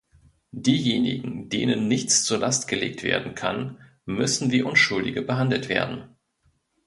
Diejenigen, denen nichts zur Last gelegt werden kann, müssen wie Unschuldige behandelt werden.